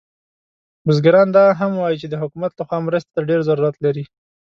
بزګران دا هم وایي چې د حکومت له خوا مرستې ته ډیر ضرورت لري